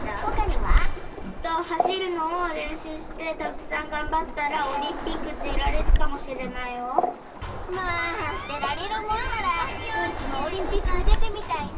はしるのをれんしゅうしてたくさんがんばったらまあでられるもんならうちもオリンピックでてみたいな。